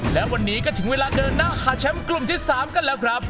และวันนี้ก็ถึงเวลาเดินหน้าขาแชมป์กลุ่มที่๓กันแล้วครับ